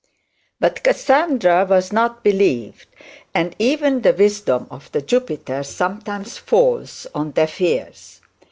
But Cassandra was not believed, and even the wisdom of the Jupiter sometimes falls on deaf ears.